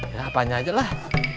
ya apanya aja lah